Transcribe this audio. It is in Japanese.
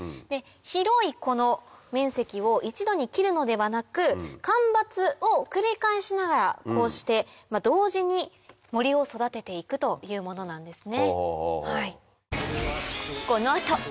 広い面積を一度に切るのではなく間伐を繰り返しながらこうして同時に森を育てていくというものなんですね。